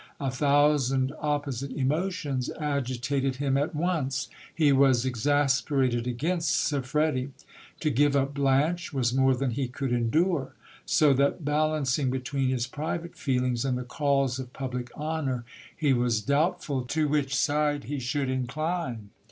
A thousand opposite emotions agitated him at once. He was exasperated against Siffredi : to give up Blanche was more than he could endure : so that, balancing between his private feelings and the calls of public honour, he was doubtful to which side he should incline.